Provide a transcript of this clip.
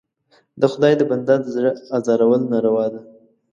د خدای د بنده د زړه ازارول ناروا ده.